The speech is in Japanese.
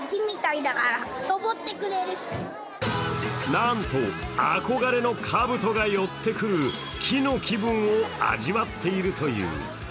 なんと憧れのカブトが寄ってくる木の気分を味わっているという。